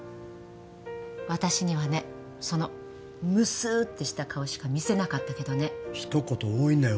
私にはねそのムスーッてした顔しか見せなかったけどねひと言多いんだよ